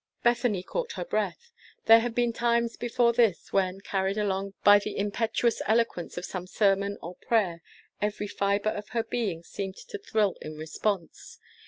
Bethany caught her breath. There had been times before this when, carried along by the impetuous eloquence of some sermon or prayer, every fiber of her being seemed to thrill in response.